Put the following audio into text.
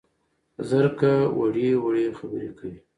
زرکه وړې وړې خبرې کوي